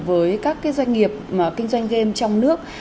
với các doanh nghiệp kinh doanh game trong nước